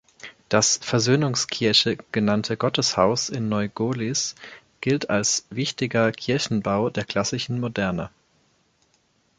Das "Versöhnungskirche" genannte Gotteshaus in Neu-Gohlis gilt als wichtiger Kirchenbau der klassischen Moderne.